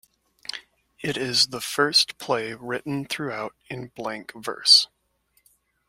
It is the first play written throughout in blank verse.